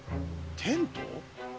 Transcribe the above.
テント？